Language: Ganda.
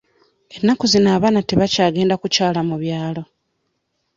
Ennaku zino abaana tebakyagenda kukyala mu byalo.